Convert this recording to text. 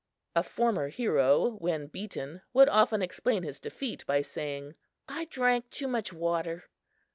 A former hero, when beaten, would often explain his defeat by saying: "I drank too much water."